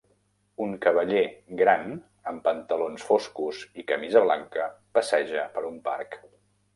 Un cavaller gran amb pantalons foscos i camisa blanca passeja per un parc.